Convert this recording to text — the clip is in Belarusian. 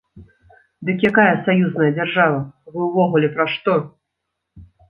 Дык якая саюзная дзяржава, вы ўвогуле пра што?